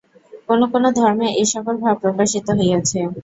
কোন কোন ধর্মে এই-সকল ভাব প্রকাশিত হইয়াছে।